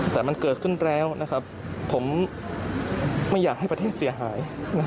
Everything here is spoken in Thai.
แต่มันเกิดขึ้นแล้วผมไม่อยากให้ประเทศเสียหาย